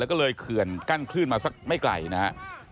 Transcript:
แล้วก็เลยเขื่อนกั้นคลื่นมาสักไม่ไกลนะครับ